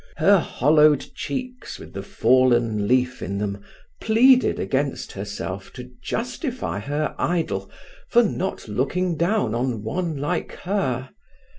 Her hollowed cheeks with the fallen leaf in them pleaded against herself to justify her idol for not looking down on one like her.